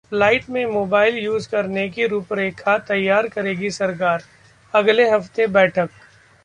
flight में mobile use करने की रूपरेखा तैयार करेगी सरकार, अगले हफ्ते बैठक